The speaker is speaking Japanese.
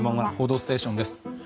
「報道ステーション」です。